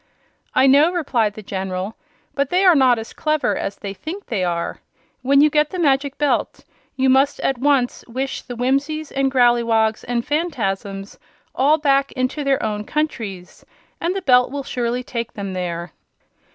"I know," replied the General; "but they are not as clever as they think they are. When you get the Magic Belt you must at once wish the Whimsies and Growleywogs and Phanfasms all back into their own countries and the Belt will surely take them there."